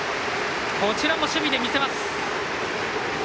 こちらも守備で見せます。